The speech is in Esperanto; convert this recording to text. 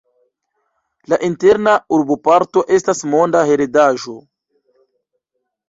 La Interna urboparto estas Monda Heredaĵo.